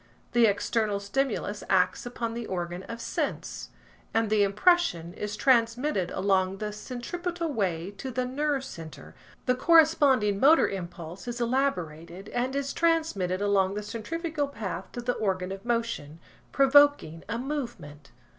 The external stimulus acts upon the organ of sense, and the impression is transmitted along the centripetal way to the nerve centre–the corresponding motor impulse is elaborated, and is transmitted along the centrifugal path to the organ of motion, provoking a movement.